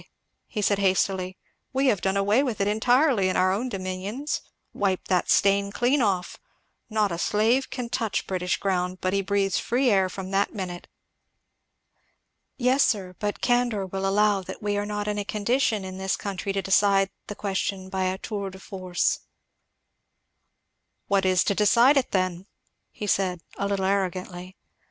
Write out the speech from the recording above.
said he hastily; "we have done away with it entirely in our own dominions; wiped that stain clean off. Not a slave can touch British ground but he breathes free air from that minute." "Yes, sir, but candour will allow that we are not in a condition in this country to decide the question by a tour de force." "What is to decide it then?" said he a little arrogantly.